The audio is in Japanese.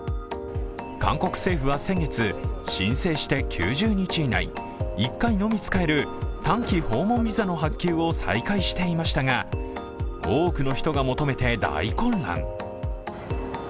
韓国政府は先月、申請して９０日以内１回のみ使える短期訪問ビザの発給を再開していましたが多くの人が求めて大混乱。